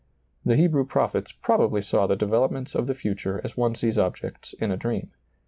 The Hebrew prophets probably saw the developments of the future as one sees objects in a dream.